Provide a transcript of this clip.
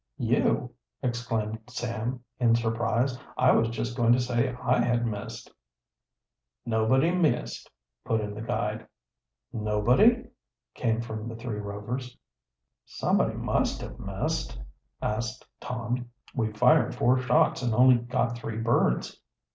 "You!" exclaimed Sam, in surprise. "I was just going to say I had missed." "Nobody missed," put in the guide. "Nobody?" came from the three Rovers. "Somebody must have missed," added Tom. "We fired four shots and only got three birds."